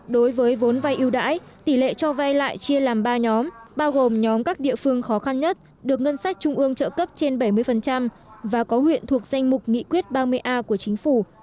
đối với vốn vay ưu đãi tỷ lệ cho vay lại chia làm ba nhóm bao gồm nhóm các địa phương khó khăn nhất được ngân sách trung ương trợ cấp trên bảy mươi và có huyện thuộc danh mục nghị quyết ba mươi a của chính phủ